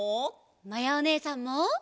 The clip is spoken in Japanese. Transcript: まやおねえさんも。